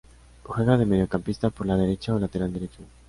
Juega de mediocampista por la derecha o lateral derecho.